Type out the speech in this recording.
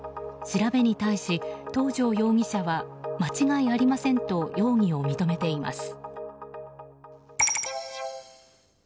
調べに対し、東條容疑者は間違いありませんと容疑を認めています。